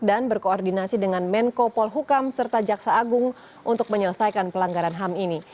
dan berkoordinasi dengan menko polhukam serta jaksa agung untuk menyelesaikan pelanggaran ham ini